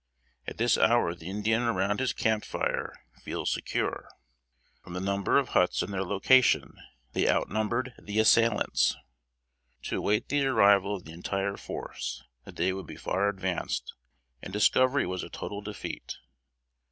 At this hour the Indian around his camp fire feels secure. From the number of huts, and their location, they outnumbered the assailants. To await the arrival of the entire force, the day would be far advanced; and discovery was a total defeat.